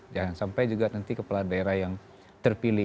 jangan sampai juga nanti kepala daerah yang terpilih